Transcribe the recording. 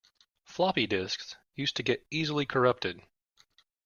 Floppy disks used to get easily corrupted.